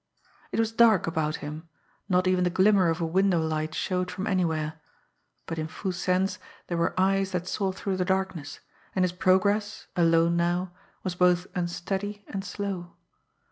It was dark about him, not even the glimmer of a window light showed from anywhere but in Foo Sen's there were eyes that saw through the darkness, and his progress, alone now, was both unsteady and slow.